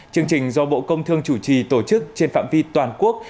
chương trình do bộ công thương chủ trì tổ chức trên phạm vi toàn quốc